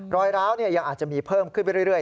รอยร้าวยังอาจจะมีเพิ่มขึ้นไปเรื่อย